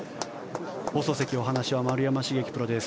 放送席、お話は丸山茂樹プロです。